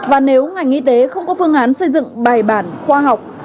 và nếu ngành y tế không có phương án xây dựng bài bản khoa học